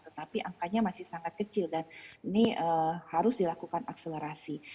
tetapi angkanya masih sangat kecil dan ini harus dilakukan akselerasi